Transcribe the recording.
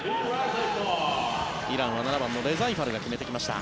イランは７番のレザイファルが決めてきました。